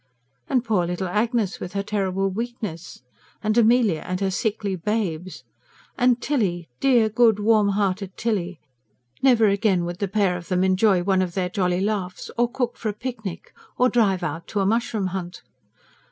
And poor little Agnes with her terrible weakness... and Amelia and her sickly babes ... and Tilly, dear, good, warm hearted Tilly! Never again would the pair of them enjoy one of their jolly laughs; or cook for a picnic; or drive out to a mushroom hunt.